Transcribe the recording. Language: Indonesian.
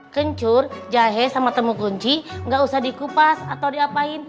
kencur jahe sama temu kunci gak usah dikupas atau diapain